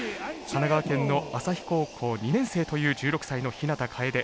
神奈川県の旭高校２年生という１６歳の日向楓。